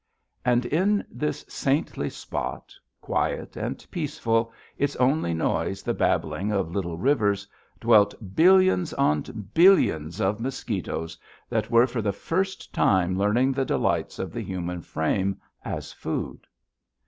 And in this saintly spot, quiet and peaceful, its only noise the babbling of little rivers, dwelt billions on billions of mosquitoes that were for the first time learning the delights of the human frame as food.